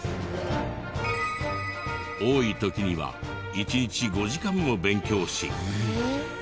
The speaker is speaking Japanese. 多い時には１日５時間も勉強し。